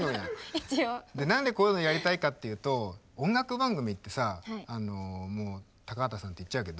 何でこういうのやりたいかっていうと音楽番組ってさもう高畑さんって言っちゃうけど。